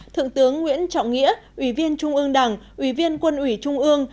thượng tướng nguyễn trọng nghĩa ủy viên trung ương đảng ủy viên quân ủy trung ương